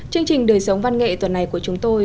chương trình đời sống văn nghệ tuần này của chúng tôi